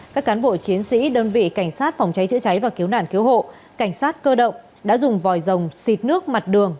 các cán bộ chiến sĩ đơn vị cảnh sát phòng cháy chữa cháy và cứu nạn cứu hộ cảnh sát cơ động đã dùng vòi rồng xịt nước mặt đường